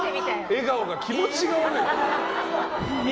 笑顔が気持ち悪い。